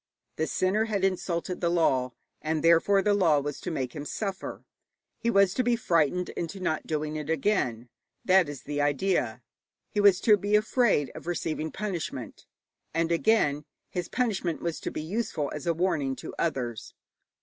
The sinner had insulted the law, and therefore the law was to make him suffer. He was to be frightened into not doing it again. That is the idea. He was to be afraid of receiving punishment. And again his punishment was to be useful as a warning to others.